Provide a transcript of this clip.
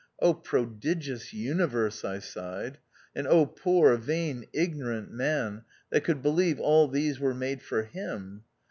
0, prodigious uni verse ! I sighed. And 0, poor, vain, ignorant man, that could believe all these were made for him.